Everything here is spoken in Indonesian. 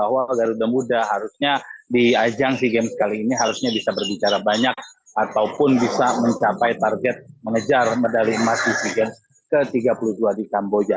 walaupun bisa mencapai target mengejar medali emas di sea games ke tiga puluh dua di kamboja